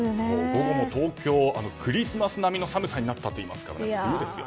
午後も東京、クリスマス並みの寒さになったということですから。